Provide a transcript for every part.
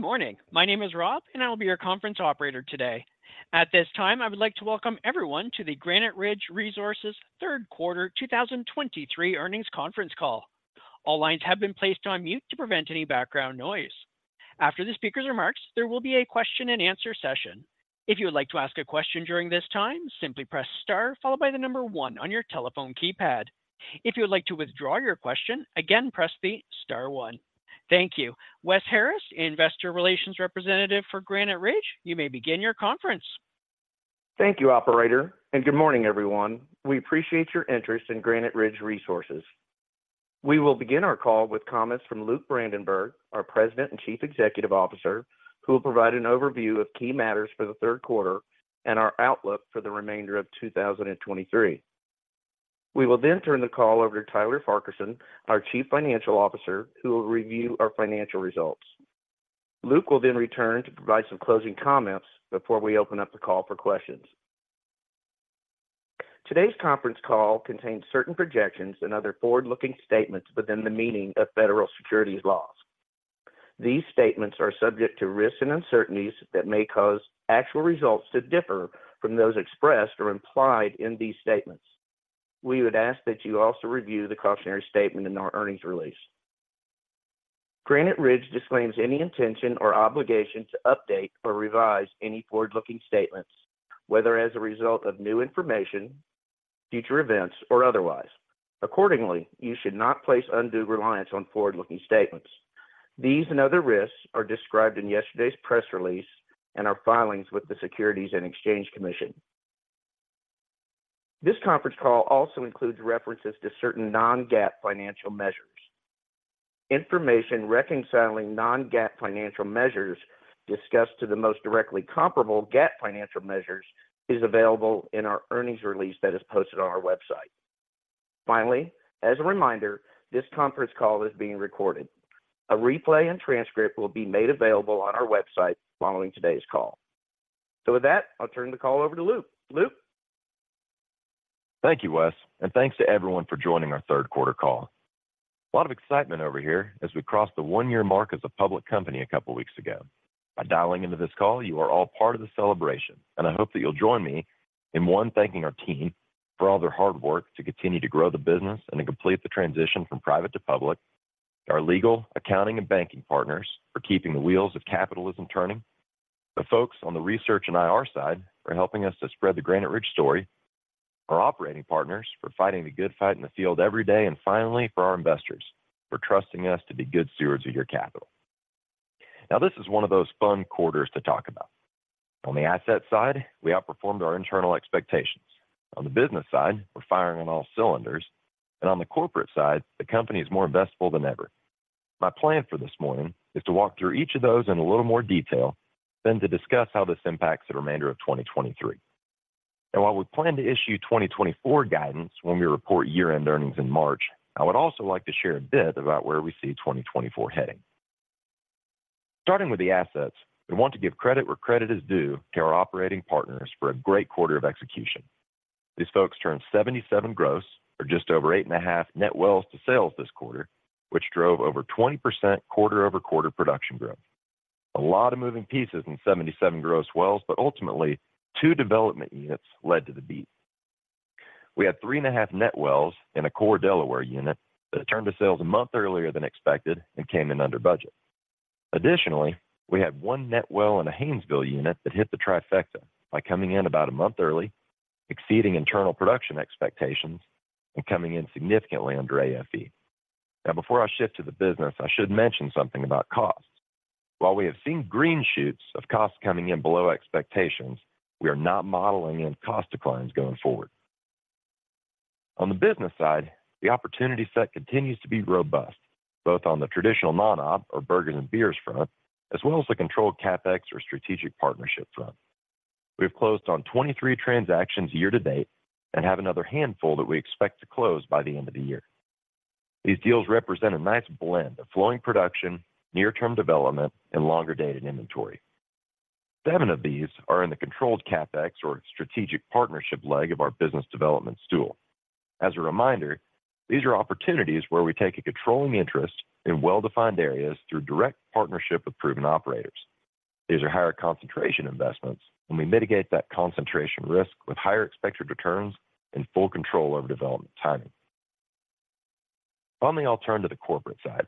Good morning. My name is Rob, and I will be your conference operator today. At this time, I would like to welcome everyone to the Granite Ridge Resources Third Quarter 2023 Earnings Conference Call. All lines have been placed on mute to prevent any background noise. After the speaker's remarks, there will be a question and answer session. If you would like to ask a question during this time, simply press star followed by the number one on your telephone keypad. If you would like to withdraw your question, again, press the star 1. Thank you. Wes Harris, investor relations representative for Granite Ridge, you may begin your conference. Thank you, operator, and good morning, everyone. We appreciate your interest in Granite Ridge Resources. We will begin our call with comments from Luke Brandenberg, our President and Chief Executive Officer, who will provide an overview of key matters for the third quarter and our outlook for the remainder of 2023. We will then turn the call over to Tyler Farquharson, our Chief Financial Officer, who will review our financial results. Luke will then return to provide some closing comments before we open up the call for questions. Today's conference call contains certain projections and other forward-looking statements within the meaning of federal securities laws. These statements are subject to risks and uncertainties that may cause actual results to differ from those expressed or implied in these statements. We would ask that you also review the cautionary statement in our earnings release. Granite Ridge disclaims any intention or obligation to update or revise any forward-looking statements, whether as a result of new information, future events, or otherwise. Accordingly, you should not place undue reliance on forward-looking statements. These and other risks are described in yesterday's press release and our filings with the Securities and Exchange Commission. This conference call also includes references to certain non-GAAP financial measures. Information reconciling non-GAAP financial measures discussed to the most directly comparable GAAP financial measures is available in our earnings release that is posted on our website. Finally, as a reminder, this conference call is being recorded. A replay and transcript will be made available on our website following today's call. With that, I'll turn the call over to Luke. Luke? Thank you, Wes, and thanks to everyone for joining our third quarter call. A lot of excitement over here as we crossed the 1-year mark as a public company a couple weeks ago. By dialing into this call, you are all part of the celebration, and I hope that you'll join me in, one, thanking our team for all their hard work to continue to grow the business and to complete the transition from private to public, our legal, accounting, and banking partners for keeping the wheels of capitalism turning. The folks on the research and IR side for helping us to spread the Granite Ridge story, our operating partners for fighting the good fight in the field every day, and finally, for our investors, for trusting us to be good stewards of your capital. Now, this is one of those fun quarters to talk about. On the asset side, we outperformed our internal expectations. On the business side, we're firing on all cylinders, and on the corporate side, the company is more investable than ever. My plan for this morning is to walk through each of those in a little more detail, then to discuss how this impacts the remainder of 2023. And while we plan to issue 2024 guidance when we report year-end earnings in March, I would also like to share a bit about where we see 2024 heading. Starting with the assets, we want to give credit where credit is due to our operating partners for a great quarter of execution. These folks turned 77 gross or just over 8.5 net wells to sales this quarter, which drove over 20% quarter-over-quarter production growth. A lot of moving pieces in 77 gross wells, but ultimately, two development units led to the beat. We had 3.5 net wells in a core Delaware unit that turned to sales a month earlier than expected and came in under budget. Additionally, we had one net well in a Haynesville unit that hit the trifecta by coming in about a month early, exceeding internal production expectations, and coming in significantly under AFE. Now, before I shift to the business, I should mention something about costs. While we have seen green shoots of costs coming in below expectations, we are not modeling in cost declines going forward. On the business side, the opportunity set continues to be robust, both on the traditional non-op or burgers and beers front, as well as the controlled CapEx or strategic partnership front. We have closed on 23 transactions year to date and have another handful that we expect to close by the end of the year. These deals represent a nice blend of flowing production, near-term development, and longer-dated inventory. Seven of these are in the controlled CapEx or strategic Partnership leg of our business development's tool. As a reminder, these are opportunities where we take a controlling interest in well-defined areas through direct partnership with proven operators. These are higher concentration investments, and we mitigate that concentration risk with higher expected returns and full control over development timing. Finally, I'll turn to the corporate side.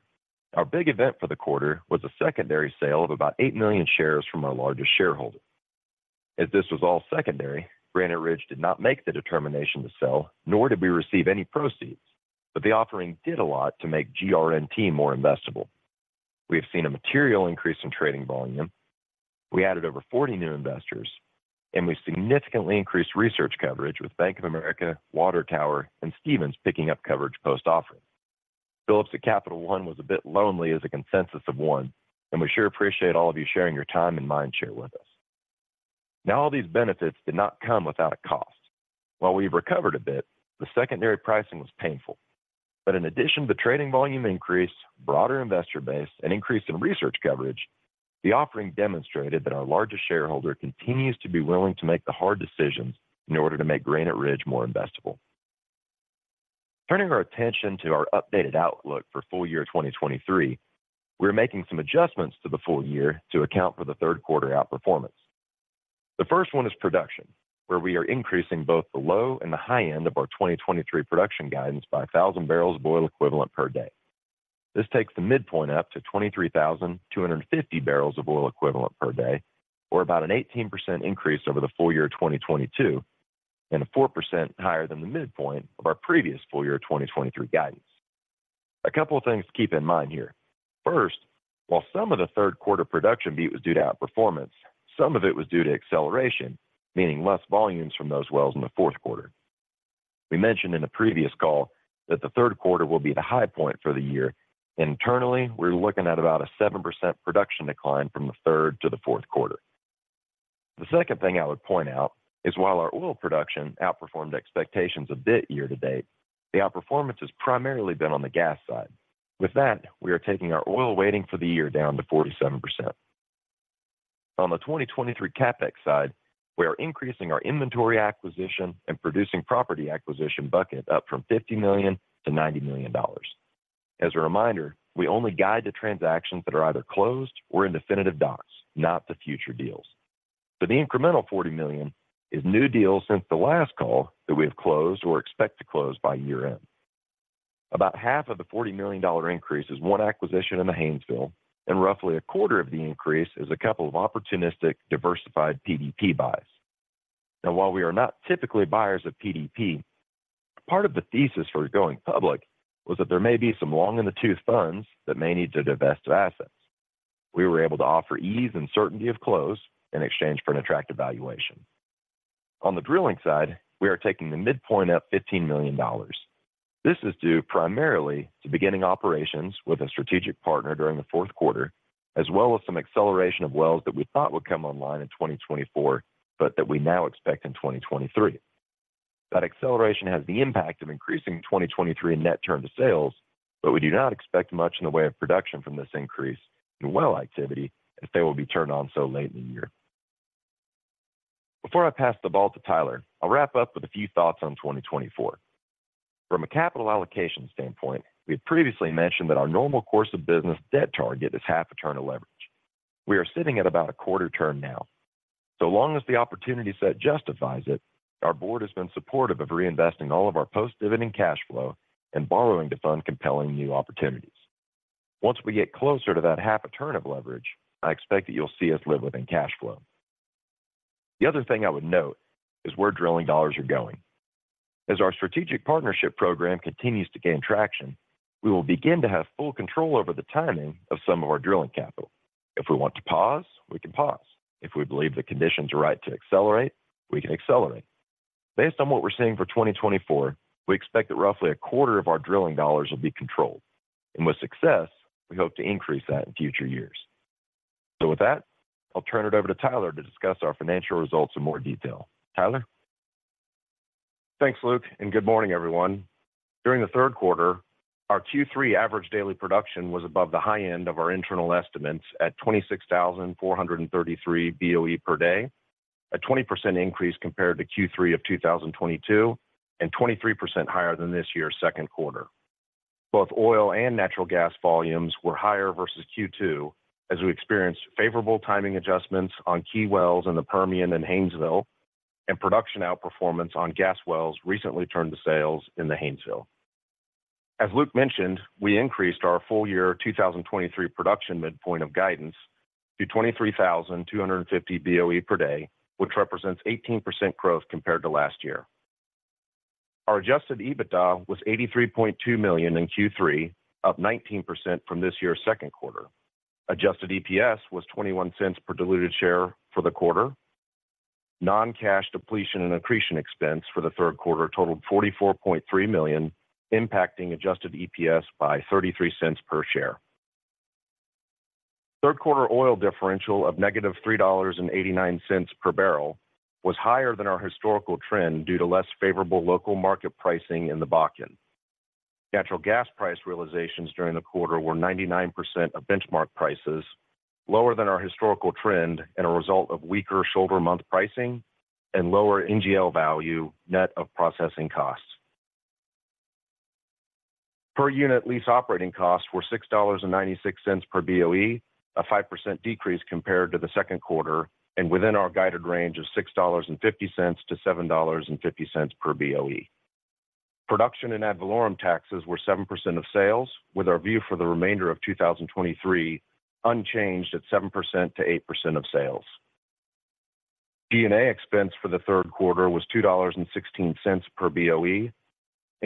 Our big event for the quarter was a secondary sale of about 8 million shares from our largest shareholder. As this was all secondary, Granite Ridge did not make the determination to sell, nor did we receive any proceeds, but the offering did a lot to make GRNT more investable. We have seen a material increase in trading volume. We added over 40 new investors, and we significantly increased research coverage with Bank of America, Water Tower, and Stephens picking up coverage post-offering. Phillips at Capital One was a bit lonely as a consensus of one, and we sure appreciate all of you sharing your time and mind share with us. Now, all these benefits did not come without a cost. While we've recovered a bit, the secondary pricing was painful. But in addition to the trading volume increase, broader investor base, and increase in research coverage, the offering demonstrated that our largest shareholder continues to be willing to make the hard decisions in order to make Granite Ridge more investable. Turning our attention to our updated outlook for full year 2023, we're making some adjustments to the full year to account for the third quarter outperformance. The first one is production, where we are increasing both the low and the high end of our 2023 production guidance by 1,000 barrels of oil equivalent per day. This takes the midpoint up to 23,250 barrels of oil equivalent per day, or about an 18% increase over the full year 2022, and a 4% higher than the midpoint of our previous full year 2023 guidance. A couple of things to keep in mind here. First, while some of the third quarter production beat was due to outperformance, some of it was due to acceleration, meaning less volumes from those wells in the fourth quarter. We mentioned in a previous call that the third quarter will be the high point for the year. Internally, we're looking at about a 7% production decline from the third to the fourth quarter. The second thing I would point out is while our oil production outperformed expectations a bit year to date, the outperformance has primarily been on the gas side. With that, we are taking our oil weighting for the year down to 47%. On the 2023 CapEx side, we are increasing our inventory acquisition and producing property acquisition bucket up from $50 million-$90 million. As a reminder, we only guide the transactions that are either closed or in definitive docs, not the future deals. So the incremental $40 million is new deals since the last call that we have closed or expect to close by year-end. About half of the $40 million increase is one acquisition in the Haynesville, and roughly a quarter of the increase is a couple of opportunistic, diversified PDP buys. Now, while we are not typically buyers of PDP, part of the thesis for going public was that there may be some long in the tooth funds that may need to divest of assets. We were able to offer ease and certainty of close in exchange for an attractive valuation. On the drilling side, we are taking the midpoint up $15 million. This is due primarily to beginning operations with a strategic partner during the fourth quarter, as well as some acceleration of wells that we thought would come online in 2024, but that we now expect in 2023. That acceleration has the impact of increasing 2023 net turn to sales, but we do not expect much in the way of production from this increase in well activity, as they will be turned on so late in the year. Before I pass the ball to Tyler, I'll wrap up with a few thoughts on 2024. From a capital allocation standpoint, we had previously mentioned that our normal course of business debt target is 0.5 turn of leverage. We are sitting at about 0.25 turn now. So long as the opportunity set justifies it, our board has been supportive of reinvesting all of our post-dividend cash flow and borrowing to fund compelling new opportunities. Once we get closer to that 0.5 turn of leverage, I expect that you'll see us live within cash flow. The other thing I would note is where drilling dollars are going. As our strategic partnership program continues to gain traction, we will begin to have full control over the timing of some of our drilling capital. If we want to pause, we can pause. If we believe the conditions are right to accelerate, we can accelerate. Based on what we're seeing for 2024, we expect that roughly a quarter of our drilling dollars will be controlled. And with success, we hope to increase that in future years. So with that, I'll turn it over to Tyler to discuss our financial results in more detail. Tyler? Thanks, Luke, and good morning, everyone. During the third quarter, our Q3 average daily production was above the high end of our internal estimates at 26,433 BOE per day, a 20% increase compared to Q3 of 2022, and 23% higher than this year's second quarter. Both oil and natural gas volumes were higher versus Q2, as we experienced favorable timing adjustments on key wells in the Permian and Haynesville, and production outperformance on gas wells recently turned to sales in the Haynesville. As Luke mentioned, we increased our full year 2023 production midpoint of guidance to 23,250 BOE per day, which represents 18% growth compared to last year. Our adjusted EBITDA was $83.2 million in Q3, up 19% from this year's second quarter. Adjusted EPS was $0.21 per diluted share for the quarter. Non-cash depletion and accretion expense for the third quarter totaled $44.3 million, impacting adjusted EPS by $0.33 per share. Third quarter oil differential of -$3.89 per barrel was higher than our historical trend due to less favorable local market pricing in the Bakken. Natural gas price realizations during the quarter were 99% of benchmark prices, lower than our historical trend and a result of weaker shoulder month pricing and lower NGL value net of processing costs. Per unit lease operating costs were $6.96 per BOE, a 5% decrease compared to the second quarter, and within our guided range of $6.50-$7.50 per BOE. Production and ad valorem taxes were 7% of sales, with our view for the remainder of 2023 unchanged at 7%-8% of sales. G&A expense for the third quarter was $2.16 per BOE.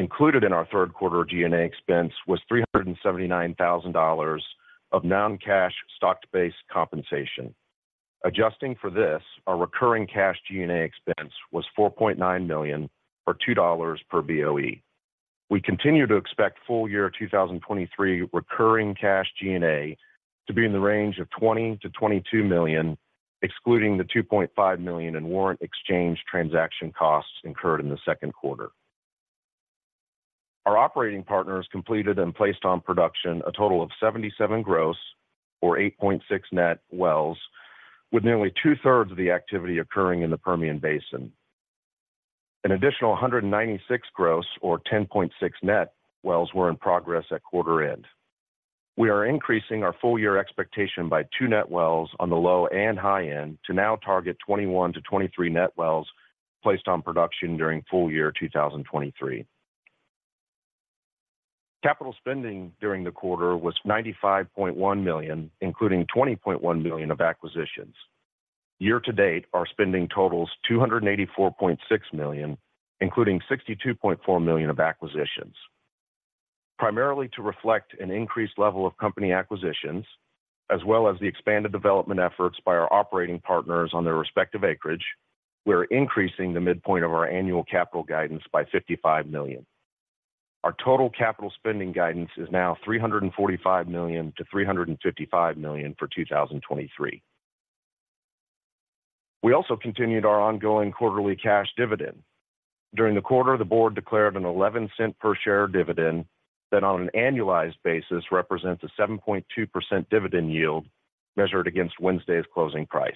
Included in our third quarter G&A expense was $379,000 of non-cash stock-based compensation. Adjusting for this, our recurring cash G&A expense was $4.9 million, or $2 per BOE. We continue to expect full year 2023 recurring cash G&A to be in the range of $20 million-$22 million, excluding the $2.5 million in warrant exchange transaction costs incurred in the second quarter. Our operating partners completed and placed on production a total of 77 gross or 8.6 net wells, with nearly two-thirds of the activity occurring in the Permian Basin. An additional 196 gross, or 10.6 net wells, were in progress at quarter end. We are increasing our full-year expectation by two net wells on the low and high end to now target 21-23 net wells placed on production during full year 2023. Capital spending during the quarter was $95.1 million, including $20.1 million of acquisitions. Year to date, our spending totals $284.6 million, including $62.4 million of acquisitions. Primarily to reflect an increased level of company acquisitions, as well as the expanded development efforts by our operating partners on their respective acreage, we're increasing the midpoint of our annual capital guidance by $55 million. Our total capital spending guidance is now $345 million-$355 million for 2023. We also continued our ongoing quarterly cash dividend. During the quarter, the board declared a $0.11 per share dividend that, on an annualized basis, represents a 7.2% dividend yield measured against Wednesday's closing price.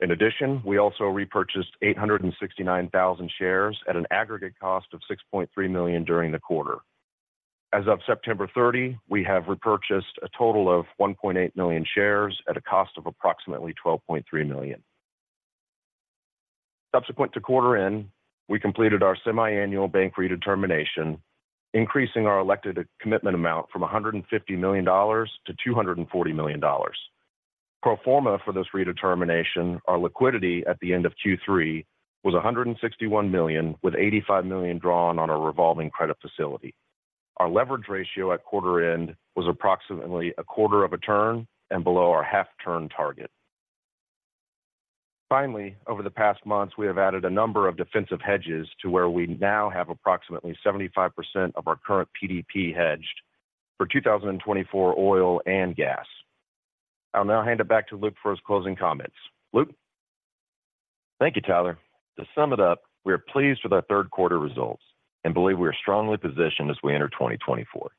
In addition, we also repurchased 869,000 shares at an aggregate cost of $6.3 million during the quarter. As of September 30, we have repurchased a total of 1.8 million shares at a cost of approximately $12.3 million. Subsequent to quarter end, we completed our semiannual bank redetermination, increasing our elected commitment amount from $150 million to $240 million. Pro forma for this redetermination, our liquidity at the end of Q3 was $161 million, with $85 million drawn on a revolving credit facility. Our leverage ratio at quarter end was approximately a quarter of a turn and below our half turn target. Finally, over the past months, we have added a number of defensive hedges to where we now have approximately 75% of our current PDP hedged for 2024 oil and gas. I'll now hand it back to Luke for his closing comments. Luke? Thank you, Tyler. To sum it up, we are pleased with our third quarter results and believe we are strongly positioned as we enter 2024.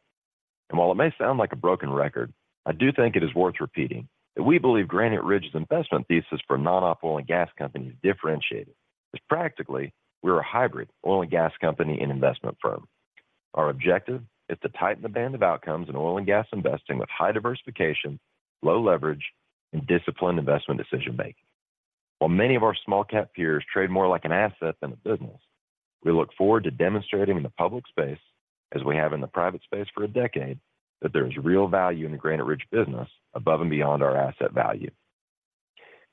And while it may sound like a broken record, I do think it is worth repeating that we believe Granite Ridge's investment thesis for non-op oil and gas companies is differentiated, as practically, we're a hybrid oil and gas company and investment firm. Our objective is to tighten the band of outcomes in oil and gas investing with high diversification, low leverage, and disciplined investment decision making. While many of our small-cap peers trade more like an asset than a business, we look forward to demonstrating in the public space, as we have in the private space for a decade, that there is real value in the Granite Ridge business above and beyond our asset value.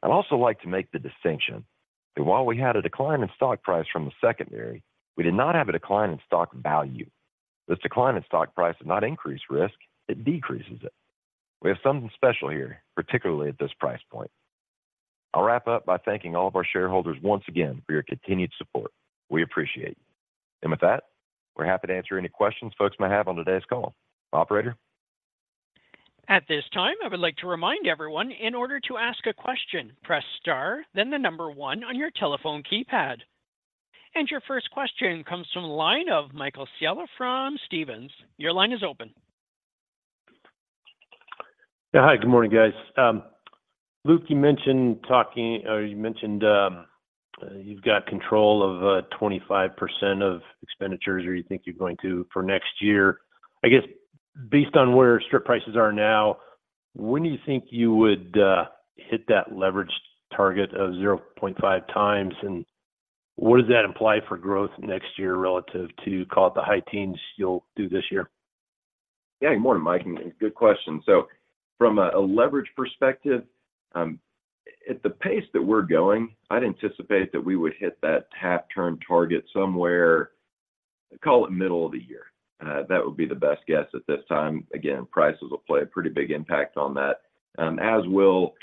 I'd also like to make the distinction that while we had a decline in stock price from the secondary, we did not have a decline in stock value. This decline in stock price did not increase risk, it decreases it. We have something special here, particularly at this price point. I'll wrap up by thanking all of our shareholders once again for your continued support. We appreciate it. And with that, we're happy to answer any questions folks may have on today's call. Operator? At this time, I would like to remind everyone in order to ask a question, press star, then the number one on your telephone keypad. Your first question comes from the line of Michael Scialla from Stephens. Your line is open. Yeah. Hi, good morning, guys. Luke, you mentioned talking, or you mentioned, you've got control of 25% of expenditures, or you think you're going to, for next year. I guess, based on where strip prices are now, when do you think you would hit that leverage target of 0.5x? And what does that imply for growth next year relative to, call it, the high teens you'll do this year? Yeah. Good morning, Mike, and good question. So from a leverage perspective, at the pace that we're going, I'd anticipate that we would hit that 0.5-turn target somewhere, call it middle of the year. That would be the best guess at this time. Again, prices will play a pretty big impact on that, as will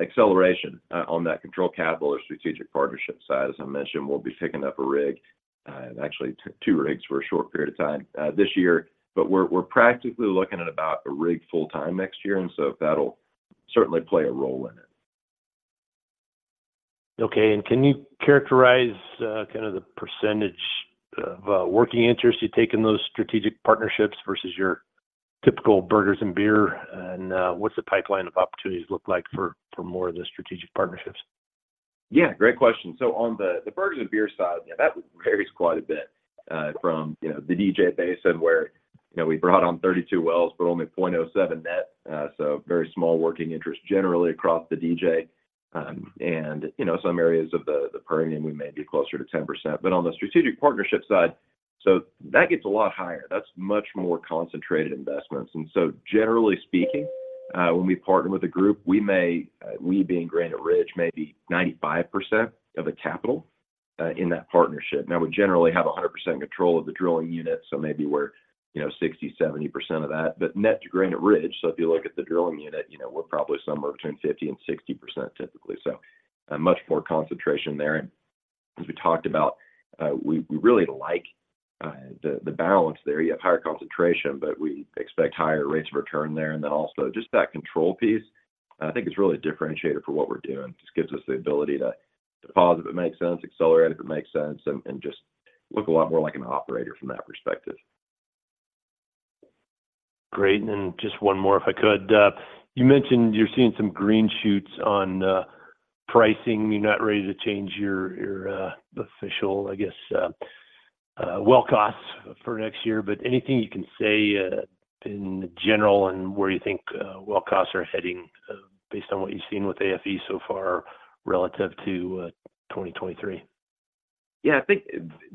acceleration on that controlled capital or strategic partnership side. As I mentioned, we'll be picking up a rig, actually 2 rigs for a short period of time, this year, but we're practically looking at about 1 rig full-time next year, and so that'll certainly play a role in it. Okay. Can you characterize, kind of the percentage of, working interest you take in those strategic partnerships versus your typical burgers and beer? What's the pipeline of opportunities look like for, more of the strategic partnerships? Yeah, great question. So on the burgers and beer side, yeah, that varies quite a bit from, you know, the DJ Basin, where, you know, we brought on 32 wells but only 0.07 net. So very small working interest generally across the DJ. And, you know, some areas of the Permian, we may be closer to 10%. But on the strategic partnership side, so that gets a lot higher. That's much more concentrated investments. So, generally speaking, when we partner with a group, we may, we being Granite Ridge, may be 95% of the capital in that partnership. Now, we generally have a 100% control of the drilling unit, so maybe we're, you know, 60-70% of that. But net to Granite Ridge, so if you look at the drilling unit, you know, we're probably somewhere between 50% and 60%, typically. So a much more concentration there. As we talked about, we really like the balance there. You have higher concentration, but we expect higher rates of return there. And then also, just that control piece, I think it's really a differentiator for what we're doing. Just gives us the ability to pause, if it makes sense, accelerate, if it makes sense, and just look a lot more like an operator from that perspective. Great, and then just one more, if I could. You mentioned you're seeing some green shoots on pricing. You're not ready to change your official, I guess, well costs for next year, but anything you can say in general on where you think well costs are heading based on what you've seen with AFE so far relative to 2023? Yeah, I think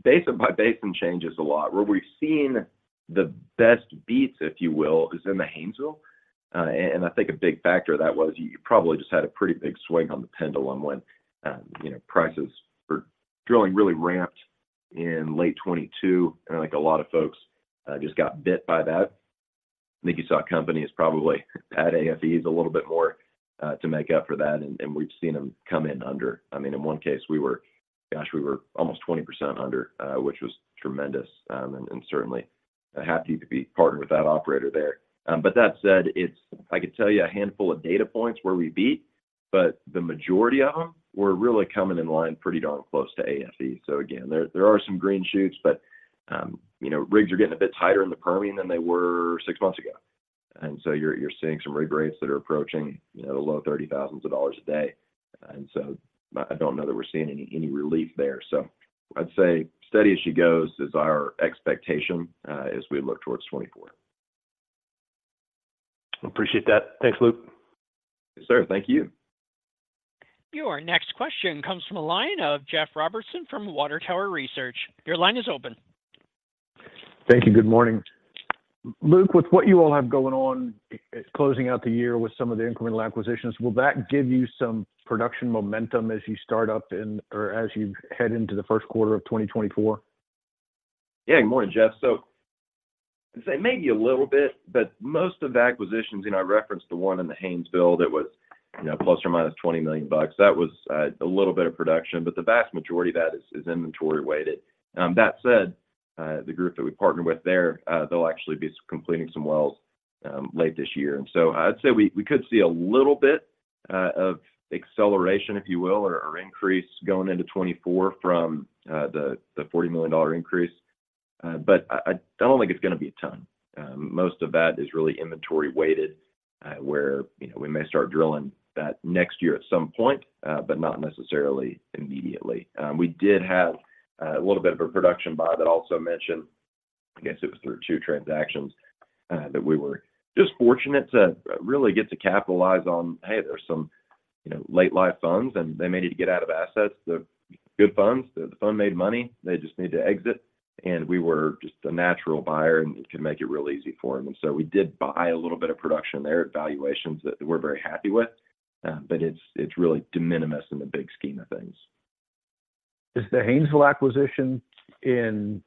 basin by basin changes a lot. Where we've seen the best beats, if you will, is in the Haynesville. And I think a big factor of that was you probably just had a pretty big swing on the pendulum when, you know, prices for drilling really ramped in late 2022. And I think a lot of folks just got bit by that. I think you saw companies probably add AFEs a little bit more to make up for that, and we've seen them come in under. I mean, in one case, we were... Gosh, we were almost 20% under, which was tremendous. And certainly happy to be partnered with that operator there. But that said, it's. I could tell you a handful of data points where we beat, but the majority of them were really coming in line pretty darn close to AFE. So again, there, there are some green shoots, but, you know, rigs are getting a bit tighter in the Permian than they were six months ago, and so you're, you're seeing some rig rates that are approaching, you know, the low $30,000s a day. And so I, I don't know that we're seeing any, any relief there. So I'd say steady as she goes is our expectation, as we look towards 2024. Appreciate that. Thanks, Luke. Yes, sir. Thank you. Your next question comes from the line of Jeff Robertson from Water Tower Research. Your line is open. Thank you. Good morning. Luke, with what you all have going on, closing out the year with some of the incremental acquisitions, will that give you some production momentum as you start up in, or as you head into the first quarter of 2024? Yeah. Good morning, Jeff. So I'd say maybe a little bit, but most of the acquisitions, you know, I referenced the one in the Haynesville that was, you know, plus or minus $20 million. That was a little bit of production, but the vast majority of that is inventory-weighted. That said, the group that we partnered with there, they'll actually be completing some wells late this year. And so I'd say we could see a little bit of acceleration, if you will, or increase going into 2024 from the $40 million increase. But I don't think it's gonna be a ton. Most of that is really inventory-weighted, where, you know, we may start drilling that next year at some point, but not necessarily immediately. We did have a little bit of a production buy that also mentioned, I guess it was through two transactions, that we were just fortunate to really get to capitalize on, "Hey, there's some, you know, late-life funds, and they may need to get out of assets." They're good funds. The fund made money. They just need to exit, and we were just a natural buyer, and it can make it really easy for them. And so we did buy a little bit of production there at valuations that we're very happy with, but it's really de minimis in the big scheme of things. Is the Haynesville acquisition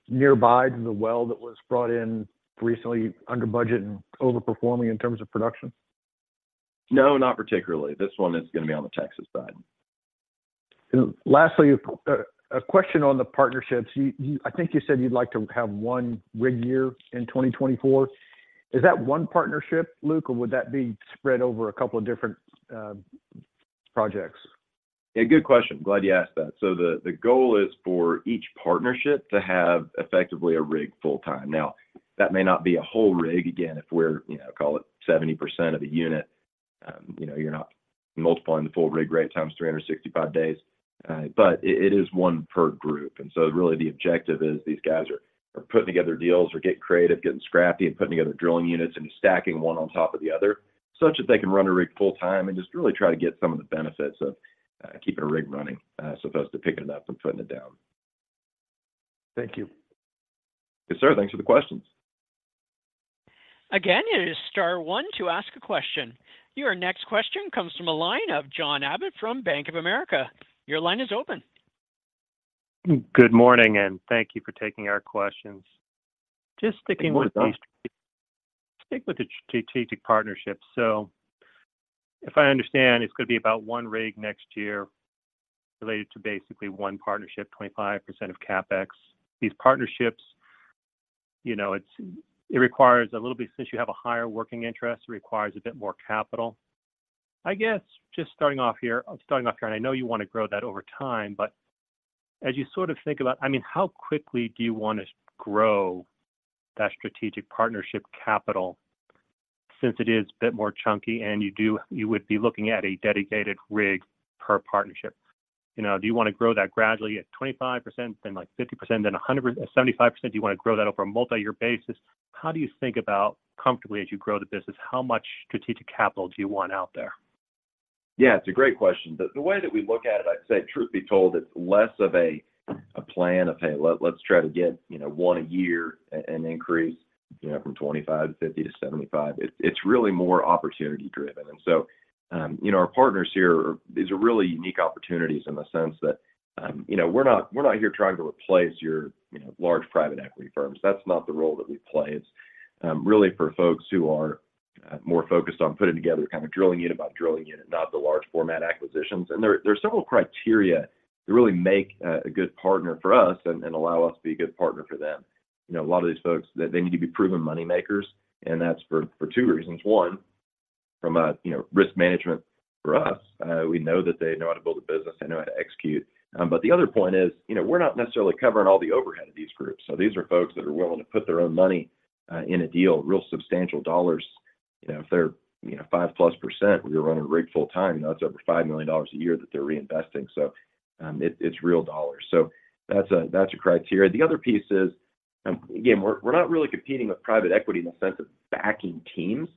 nearby to the well that was brought in recently under budget and overperforming in terms of production? No, not particularly. This one is gonna be on the Texas side. Lastly, a question on the partnerships. You, I think you said you'd like to have one rig year in 2024. Is that one partnership, Luke, or would that be spread over a couple of different projects? Yeah, good question. Glad you asked that. So the goal is for each partnership to have effectively a rig full time. Now, that may not be a whole rig, again, if we're, you know, call it 70% of a unit. You know, you're not multiplying the full rig rate times 365 days, but it is one per group. And so really the objective is these guys are putting together deals or getting creative, getting scrappy, and putting together drilling units and stacking one on top of the other, such that they can run a rig full time and just really try to get some of the benefits of keeping a rig running, as opposed to picking it up and putting it down. Thank you. Yes, sir. Thanks for the questions. Again, it is star one to ask a question. Your next question comes from a line of John Abbott from Bank of America. Your line is open. Good morning, and thank you for taking our questions. Just sticking with the- Good morning, John. Stick with the strategic partnerships. So if I understand, it's gonna be about 1 rig next year related to basically 1 partnership, 25% of CapEx. These partnerships, you know, it requires a little bit... Since you have a higher working interest, it requires a bit more capital. I guess just starting off here- starting off here, and I know you want to grow that over time, but as you sort of think about... I mean, how quickly do you want to grow that strategic partnership capital since it is a bit more chunky, and you do- you would be looking at a dedicated rig per partnership? You know, do you want to grow that gradually at 25%, then, like, 50%, then a 100, 75%? Do you want to grow that over a multi-year basis? How do you think about comfortably as you grow the business, how much strategic capital do you want out there? Yeah, it's a great question. The way that we look at it, I'd say truth be told, it's less of a plan of, "Hey, let's try to get, you know, one a year, an increase, you know, from 25 to 50 to 75." It's really more opportunity driven. And so, you know, our partners here are... These are really unique opportunities in the sense that, you know, we're not here trying to replace your, you know, large private equity firms. That's not the role that we play. It's really for folks who are more focused on putting together kind of drilling unit by drilling unit, not the large format acquisitions. And there are several criteria that really make a good partner for us and allow us to be a good partner for them. You know, a lot of these folks, they need to be proven money makers, and that's for two reasons. One, from a risk management for us. We know that they know how to build a business, they know how to execute. But the other point is, you know, we're not necessarily covering all the overhead of these groups. So these are folks that are willing to put their own money in a deal, real substantial dollars. You know, if they're 5%+, we are running a rig full time, you know, that's over $5 million a year that they're reinvesting. So, it's real dollars. So that's a criteria. The other piece is, again, we're not really competing with private equity in the sense of backing teams.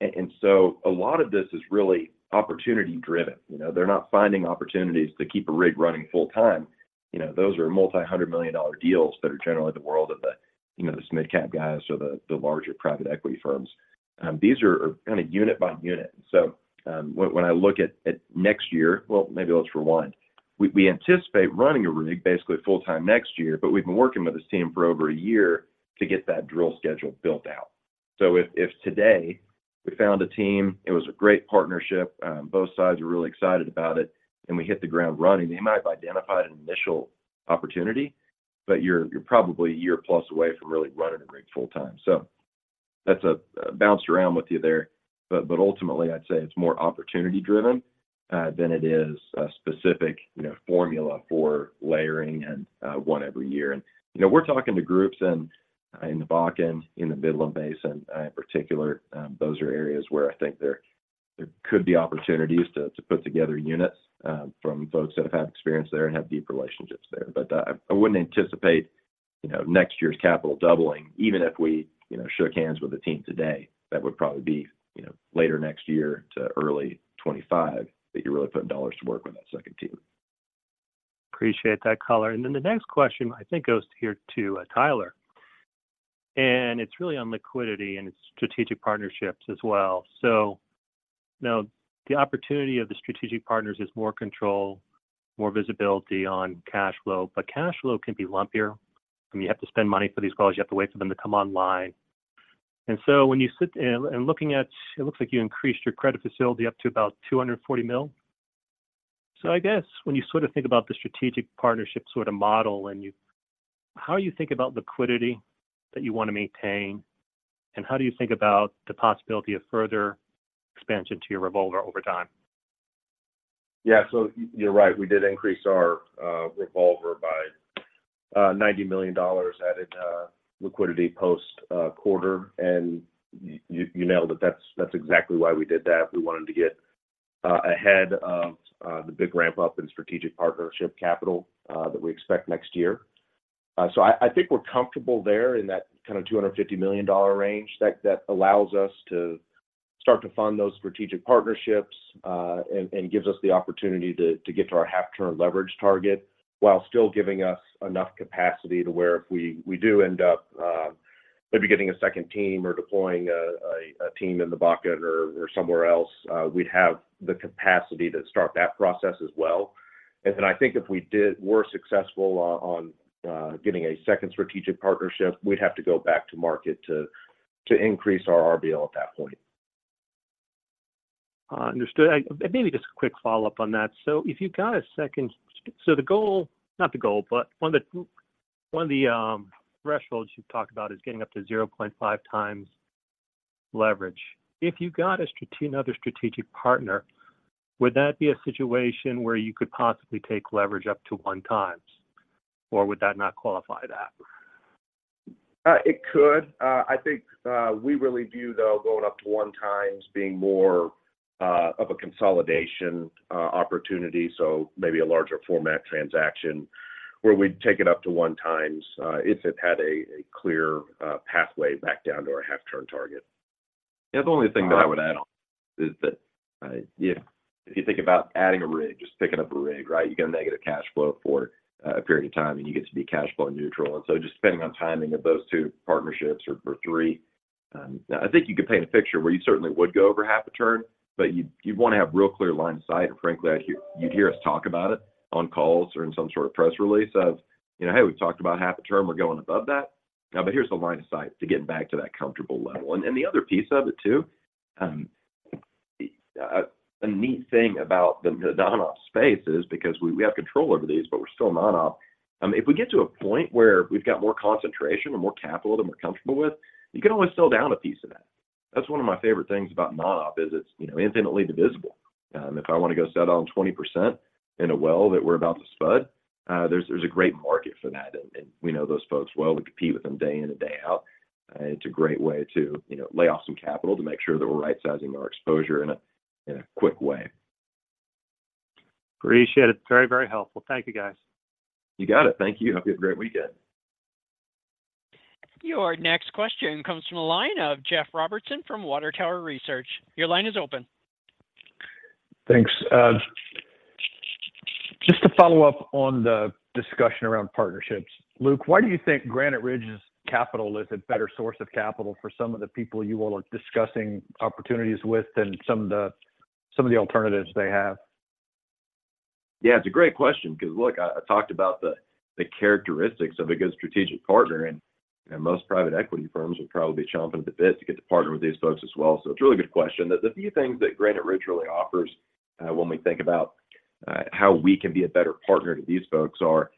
And so a lot of this is really opportunity driven. You know, they're not finding opportunities to keep a rig running full time. You know, those are multi-hundred-million-dollar deals that are generally the world of the, you know, the midcap guys or the larger private equity firms. These are kind of unit by unit. So when I look at next year... Well, maybe let's rewind. We anticipate running a rig basically full time next year, but we've been working with this team for over a year to get that drill schedule built out. So if today we found a team, it was a great partnership, both sides are really excited about it, and we hit the ground running. They might have identified an initial opportunity, but you're probably a year plus away from really running a rig full time. So that's bounced around with you there. But ultimately, I'd say it's more opportunity driven than it is a specific, you know, formula for layering and one every year. And you know, we're talking to groups in the Bakken, in the Midland Basin, in particular. Those are areas where I think there could be opportunities to put together units from folks that have had experience there and have deep relationships there. But I wouldn't anticipate, you know, next year's capital doubling, even if we you know, shook hands with a team today. That would probably be, you know, later next year to early 2025, that you're really putting dollars to work with that second team. Appreciate that color. Then the next question, I think, goes here to Tyler, and it's really on liquidity and strategic partnerships as well. So now the opportunity of the strategic partners is more control, more visibility on cash flow, but cash flow can be lumpier, and you have to spend money for these calls. You have to wait for them to come online. And so when you sit and looking at... It looks like you increased your credit facility up to about $240 million. So I guess when you sort of think about the strategic partnership sort of model and you—how you think about liquidity that you want to maintain, and how do you think about the possibility of further expansion to your revolver over time? Yeah. So you're right. We did increase our revolver by $90 million, added liquidity post quarter. And you nailed it. That's exactly why we did that. We wanted to get ahead of the big ramp up in strategic partnership capital that we expect next year. So I think we're comfortable there in that kind of $250 million range that allows us to start to fund those strategic partnerships, and gives us the opportunity to get to our half-turn leverage target while still giving us enough capacity to where if we do end up maybe getting a second team or deploying a team in the Bakken or somewhere else, we'd have the capacity to start that process as well. And then I think if we were successful on getting a second strategic partnership, we'd have to go back to market to increase our RBL at that point. Understood. Maybe just a quick follow-up on that. So if you got a second, so the goal... Not the goal, but one of the thresholds you've talked about is getting up to 0.5x leverage. If you got another strategic partner, would that be a situation where you could possibly take leverage up to 1x, or would that not qualify that? It could. I think we really view, though, going up to 1x being more of a consolidation opportunity. So maybe a larger format transaction where we'd take it up to 1x, if it had a clear pathway back down to our 0.5-turn target. Yeah. The only thing that I would add on is that, if you think about adding a rig, just picking up a rig, right? You get a negative cash flow for a period of time, and you get to be cash flow neutral. So just depending on timing of those two partnerships or three, I think you could paint a picture where you certainly would go over half a turn, but you'd want to have real clear line of sight. And frankly, you'd hear us talk about it on calls or in some sort of press release, you know, "Hey, we've talked about half a turn, we're going above that." But here's the line of sight to getting back to that comfortable level. The other piece of it, too, a neat thing about the non-op space is because we have control over these, but we're still non-op. If we get to a point where we've got more concentration or more capital than we're comfortable with, you can always sell down a piece of that. That's one of my favorite things about non-op, is it's, you know, infinitely divisible. If I want to go sell down 20% in a well that we're about to spud, there's a great market for that, and we know those folks well. We compete with them day in and day out, and it's a great way to, you know, lay off some capital to make sure that we're right-sizing our exposure in a quick way. Appreciate it. Very, very helpful. Thank you, guys. You got it. Thank you. Hope you have a great weekend. Your next question comes from the line of Jeff Robertson from Water Tower Research. Your line is open. Thanks. Just to follow up on the discussion around partnerships. Luke, why do you think Granite Ridge's capital is a better source of capital for some of the people you all are discussing opportunities with than some of the, some of the alternatives they have? Yeah, it's a great question because, look, I talked about the characteristics of a good strategic partner, and most private equity firms are probably chomping at the bit to get to partner with these folks as well. So it's a really good question. The few things that Granite Ridge really offers, when we think about how we can be a better partner to these folks are,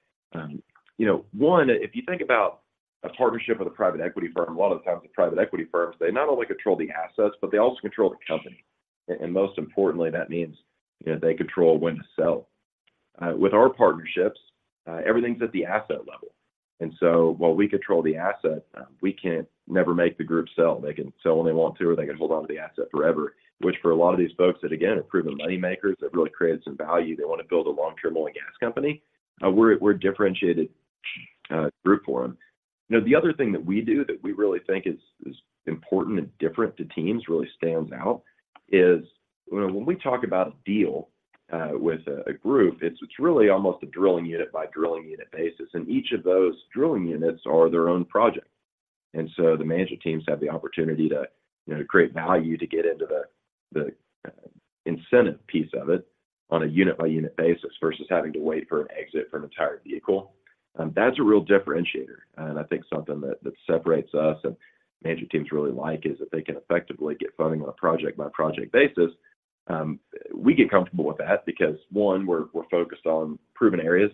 you know, one, if you think about a partnership with a private equity firm, a lot of the times the private equity firms, they not only control the assets, but they also control the company. And most importantly, that means, you know, they control when to sell. With our partnerships, everything's at the asset level, and so while we control the asset, we can't never make the group sell. They can sell when they want to, or they can hold onto the asset forever, which for a lot of these folks that, again, are proven money makers, have really created some value, they want to build a long-term oil and gas company. We're a differentiated group for them. You know, the other thing that we do that we really think is important and different to teams, really stands out, is when we talk about a deal with a group. It's really almost a drilling unit by drilling unit basis, and each of those drilling units are their own project. And so the management teams have the opportunity to, you know, to creat e value, to get into the incentive piece of it on a unit-by-unit basis versus having to wait for an exit for an entire vehicle. That's a real differentiator, and I think something that separates us and management teams really like is that they can effectively get funding on a project-by-project basis. We get comfortable with that because, one, we're focused on proven areas,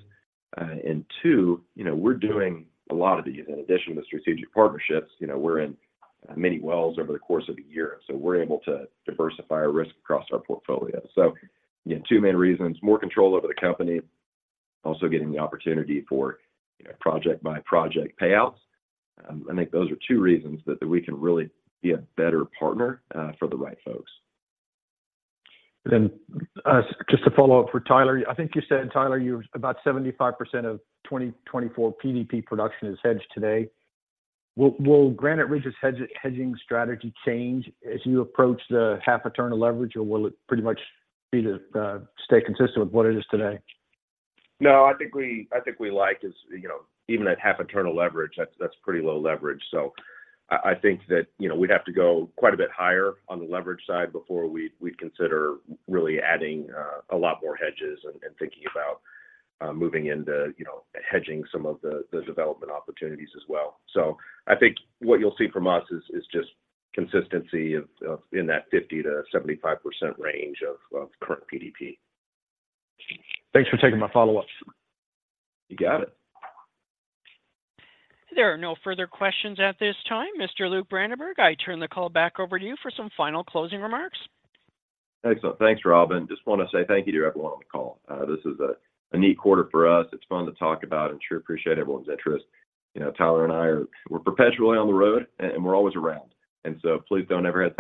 and two, you know, we're doing a lot of these. In addition to strategic partnerships, you know, we're in many wells over the course of a year, so we're able to diversify our risk across our portfolio. So, you know, two main reasons, more control over the company, also getting the opportunity for, you know, project-by-project payouts. I think those are two reasons that we can really be a better partner for the right folks. Just to follow up for Tyler, I think you said, Tyler, you're about 75% of 2024 PDP production is hedged today. Will Granite Ridge's hedging strategy change as you approach the half internal leverage, or will it pretty much be the stay consistent with what it is today? No, I think we, I think we like is, you know, even at half internal leverage, that's, that's pretty low leverage. So I, I think that, you know, we'd have to go quite a bit higher on the leverage side before we'd, we'd consider really adding a lot more hedges and thinking about moving into, you know, hedging some of the development opportunities as well. So I think what you'll see from us is just consistency of in that 50%-75% range of current PDP. Thanks for taking my follow-up. You got it. There are no further questions at this time. Mr. Luke Brandenberg, I turn the call back over to you for some final closing remarks. Excellent. Thanks, Robin. Just want to say thank you to everyone on the call. This is a neat quarter for us. It's fun to talk about, and sure appreciate everyone's interest. You know, Tyler and I are perpetually on the road, and we're always around, and so please don't ever hesitate-